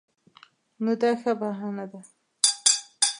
نو دا ښه بهانه ده.